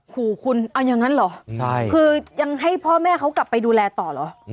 ขู่คุณเอาอย่างนั้นเหรอคือยังให้พ่อแม่เขากลับไปดูแลต่อเหรอ